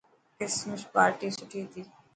ڪرسمس پارٽي سٺي هتي.